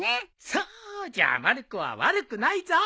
そうじゃまる子は悪くないぞ。